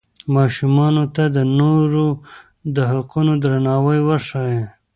ماشومانو ته د نورو د حقونو درناوی وښایئ.